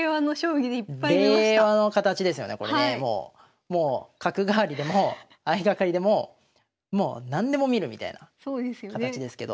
これもう角換わりでも相掛かりでも何でも見るみたいなそうですよね。